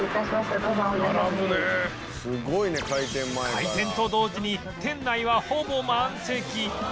開店と同時に店内はほぼ満席